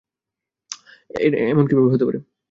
এমন কীভাবে হতে পারে?